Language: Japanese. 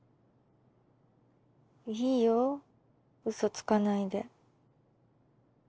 いいようそつかないで。